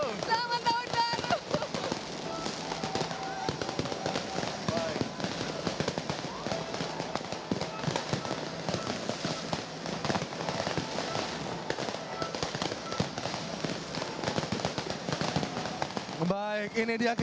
selamat tahun baru